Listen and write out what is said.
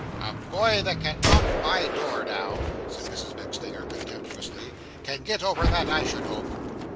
"A boy that can knock my door down," said Mrs MacStinger, contemptuously, "can get over that, I should hope!"